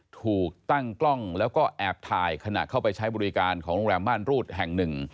ถูกตั้งกล้องแล้วก็แอบถ่ายขณะเข้าไปใช้บริการของโรงแรมม่านรูดแห่งหนึ่ง